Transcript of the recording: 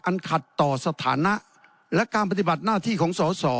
ขัดต่อสถานะและการปฏิบัติหน้าที่ของสอสอ